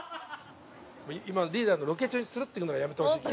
今リーダーのロケ中にスルッて行くのやめてほしい。